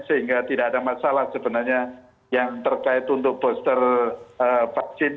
sehingga tidak ada masalah sebenarnya yang terkait untuk booster vaksin